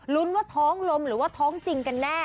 รุ้นว่าท้องลมหรือว่าท้องจริงกันแน่